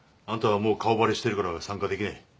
あんたはもう顔バレしてるから参加できねえ。